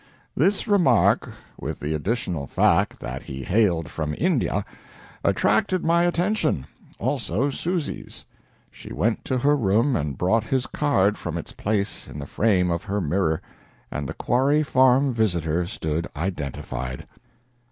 This remark, with the additional fact that he hailed from India, attracted my attention also Susy's. She went to her room and brought his card from its place in the frame of her mirror, and the Quarry Farm visitor stood identified.